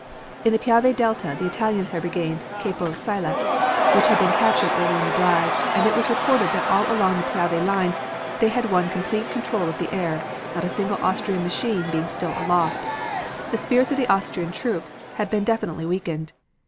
In the Piave delta the Italians had regained Capo Sile, which had been captured early in the drive, and it was reported that all along the Piave line they had won complete control of the air, not a single Austrian machine being still aloft. The spirits of the Austrian troops had been definitely weakened.